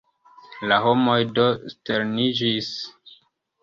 La homoj do sterniĝis.